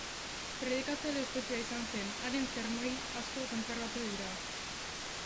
Predikatzaile ospetsua izan zen; haren sermoi asko kontserbatu dira.